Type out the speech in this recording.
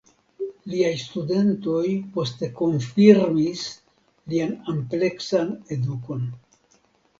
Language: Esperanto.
Liaj studentoj poste konfirmis lian ampleksan edukon.